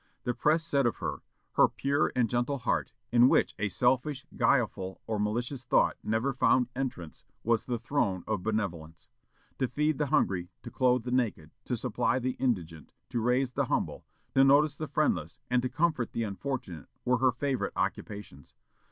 The press said of her, "Her pure and gentle heart, in which a selfish, guileful, or malicious thought, never found entrance, was the throne of benevolence.... To feed the hungry, to clothe the naked, to supply the indigent, to raise the humble, to notice the friendless, and to comfort the unfortunate, were her favorite occupations....